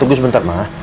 tunggu sebentar ma